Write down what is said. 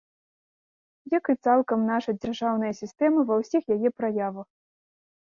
Як і цалкам наша дзяржаўная сістэма ва ўсіх яе праявах.